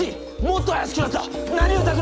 もっとあやしくなった！